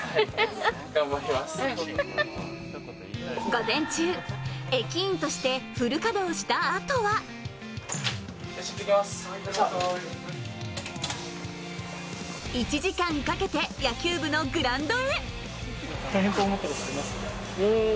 午前中、駅員としてフル稼働したあとは１時間かけて野球部のグラウンドへ。